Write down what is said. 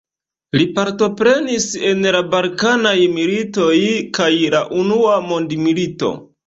Li partoprenis en la Balkanaj militoj kaj la Unua Mondmilito.